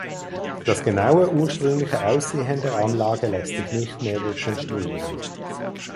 Das genaue ursprüngliche Aussehen der Anlage lässt sich nicht mehr rekonstruieren.